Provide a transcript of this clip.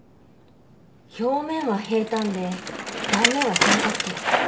表面は平坦で断面は三角形。